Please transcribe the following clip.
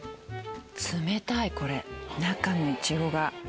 冷たいこれ中のいちごが。